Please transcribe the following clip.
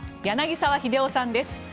柳澤秀夫さんです。